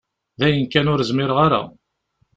Dayen kan ur zmireɣ ara.